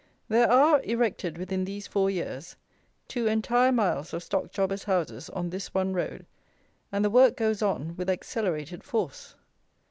There are, erected within these four years, two entire miles of stock jobbers' houses on this one road, and the work goes on with accelerated force!